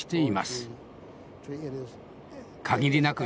限りなく